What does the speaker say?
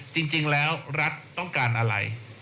จริงแล้วรัฐต้องการอะไร